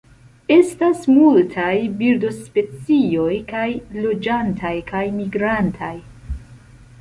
Estas multaj birdospecioj, kaj loĝantaj kaj migrantaj.